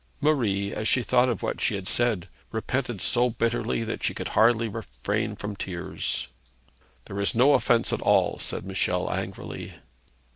Marie, as she thought of what she had said, repented so bitterly that she could hardly refrain from tears. 'There is no offence at all,' said Michel angrily.